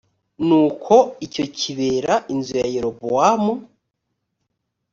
nuko icyo kibera inzu ya yerobowamu